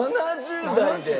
７０代で。